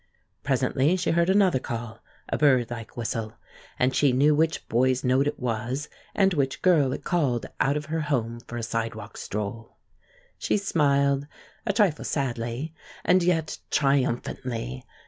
Presently she heard another call a birdlike whistle and she knew which boy's note it was, and which girl it called out of her home for a sidewalk stroll. She smiled, a trifle sadly, and yet triumphantly.